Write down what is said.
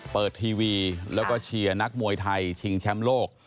ทีวีแล้วก็เชียร์นักมวยไทยชิงแชมป์โลก